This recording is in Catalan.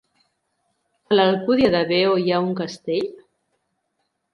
A l'Alcúdia de Veo hi ha un castell?